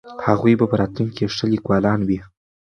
هغوی به په راتلونکي کې ښه لیکوالان وي.